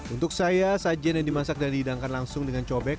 untuk saya sajian yang dimasak dan dihidangkan langsung dengan cobek